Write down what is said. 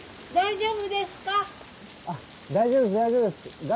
大丈夫ですか？